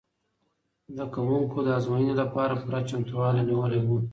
زده کوونکو د ازموینې لپاره پوره چمتووالی نیولی و.